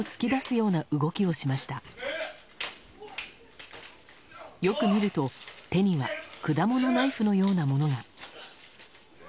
よく見ると、手には果物ナイフのようなものが。